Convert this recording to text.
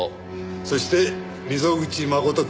そして溝口誠くん。